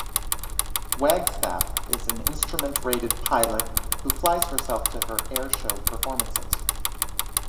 Wagstaff is an instrument-rated pilot who flies herself to her airshow performances.